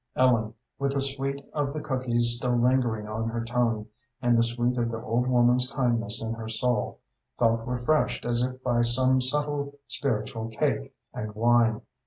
Ellen, with the sweet of the cookies still lingering on her tongue, and the sweet of the old woman's kindness in her soul, felt refreshed as if by some subtle spiritual cake and wine.